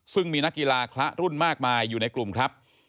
ซึ่งมีนักกีฬาคละรุ่นมากมายอยู่ในกลุ่มครับ